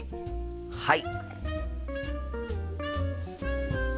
はい。